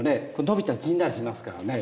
伸びたり縮んだりしますからね。